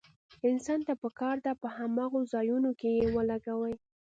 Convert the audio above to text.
انسان ته پکار ده په هماغو ځايونو کې يې ولګوي.